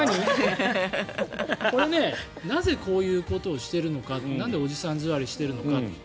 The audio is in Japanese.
これ、なぜこういうことをしているのかなんでおじさん座りしているのか。